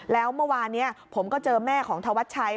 แล้วเมื่อวานนี้ผมก็เจอแม่ของธวัชชัย